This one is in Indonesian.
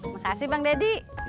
makasih bang daddy